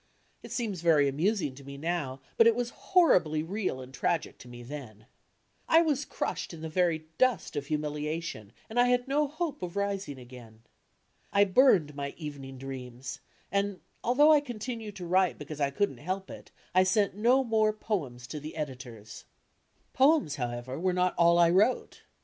It seems very amusing to me now, but it was horribly real and tragic to me then. I was crushed in the very dust of humiliation and I had no hope of rising again. I burned my "Evening Dreams," and, although I continued to write because I couldn't help it, I sent no more poems to the editors. Poems, however, were not all I wrote.